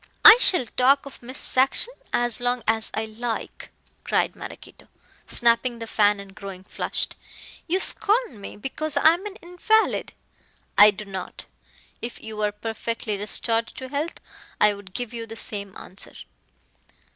"I shall talk of Miss Saxon as long as I like," cried Maraquito, snapping the fan and growing flushed. "You scorn me because I am an invalid " "I do not. If you were perfectly restored to health I would give you the same answer."